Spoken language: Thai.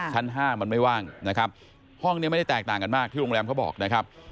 ชั้น๕มันไม่ว่างนะครับห้องนี้ไม่ได้แตกต่างกันมากที่โรงแรมเขาบอกนะครับ